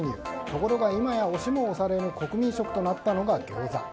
ところが今や押しも押されぬ国民食となったのが餃子。